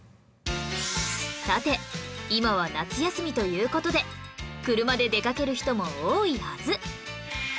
さて今は夏休みという事で車で出かける人も多いはず